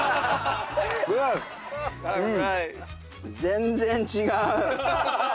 全然違う。